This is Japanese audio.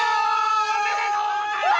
「おめでとうございます」